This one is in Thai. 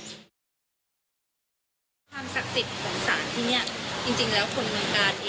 ความศักดิ์สิทธิ์ของสารที่นี่จริงแล้วคนเมืองกาลเอง